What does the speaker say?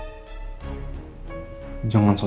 menjalankan apa yang lo mau di luar